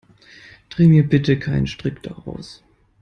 Dreh mir bitte keinen Strick daraus.